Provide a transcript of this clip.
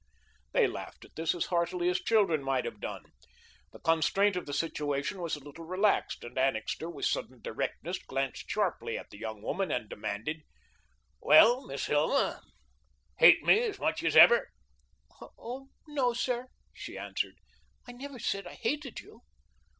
They laughed at this as heartily as children might have done. The constraint of the situation was a little relaxed and Annixter, with sudden directness, glanced sharply at the young woman and demanded: "Well, Miss Hilma, hate me as much as ever?" "Oh, no, sir," she answered, "I never said I hated you."